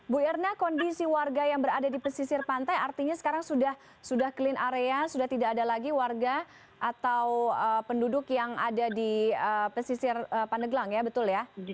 bu irna kondisi warga yang berada di pesisir pantai artinya sekarang sudah clean area sudah tidak ada lagi warga atau penduduk yang ada di pesisir pandeglang ya betul ya